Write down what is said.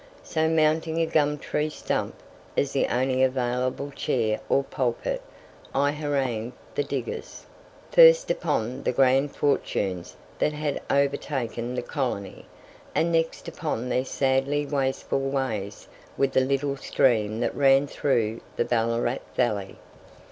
So, mounting a gum tree stump, as the only available chair or pulpit, I harangued the diggers, first upon the grand fortunes that had overtaken the colony, and next upon their sadly wasteful ways with the little stream that ran through the Ballarat valley.